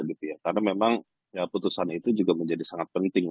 karena memang putusan itu juga menjadi sangat penting